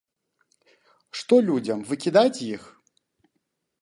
Што людзям, выкідаць іх?